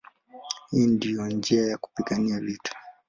Hiyo ndiyo njia ya kupigana vita".